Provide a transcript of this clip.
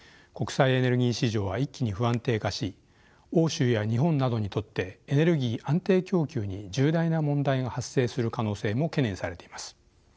国際エネルギー市場は一気に不安定化し欧州や日本などにとってエネルギー安定供給に重大な問題が発生する可能性も懸念されています。